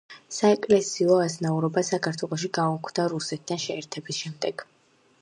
საეკლესიო აზნაურობა საქართველოში გაუქმდა რუსეთთან შეერთების შემდეგ.